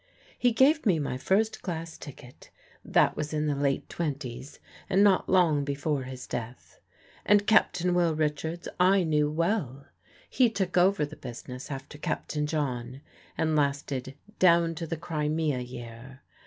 He gave me my first class ticket that was in the late twenties, and not long before his death. And Captain Will Richards I knew well; he took over the business after Captain John, and lasted down to the Crimea year.